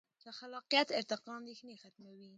د خلاقیت ارتقا اندیښنې ختموي.